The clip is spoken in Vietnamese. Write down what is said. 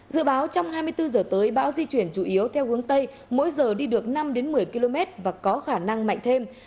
dự báo trong hai mươi bốn h tới bão di chuyển chủ yếu theo hướng tây mỗi giờ đi được năm một mươi km và có khả năng mạnh thêm